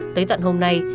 tới tận hôm nay